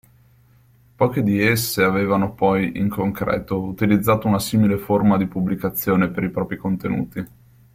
Poche di esse avevano poi in concreto utilizzato una simile forma di pubblicazione per i propri contenuti.